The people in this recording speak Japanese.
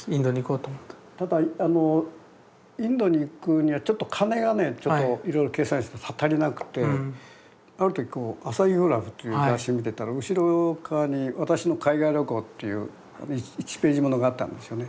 ただインドに行くにはちょっと金がねちょっといろいろ計算したら足りなくてある時こう「アサヒグラフ」という雑誌見てたら後ろ側に「私の海外旅行」っていう１ページものがあったんですよね